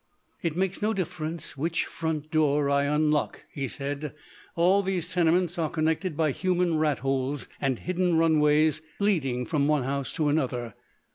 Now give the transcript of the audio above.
"It makes no difference which front door I unlock," he said. "All these tenements are connected by human rat holes and hidden runways leading from one house to another....